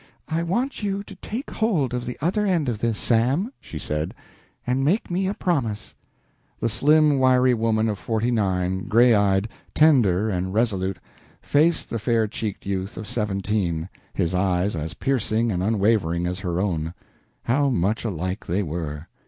"I want you to take hold of the other end of this, Sam," she said, "and make me a promise." The slim, wiry woman of forty nine, gray eyed, tender, and resolute, faced the fair cheeked youth of seventeen, his eyes as piercing and unwavering as her own. How much alike they were!